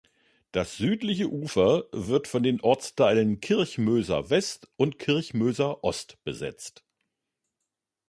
Das südliche Ufer wird von den Ortsteilen Kirchmöser West und Kirchmöser Ost besetzt.